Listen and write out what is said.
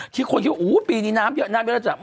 ที่คนคิดว่าปีนี้น้ำเยอะมาก